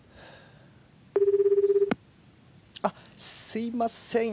あっすいません